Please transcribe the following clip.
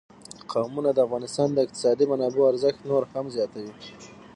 قومونه د افغانستان د اقتصادي منابعو ارزښت نور هم زیاتوي.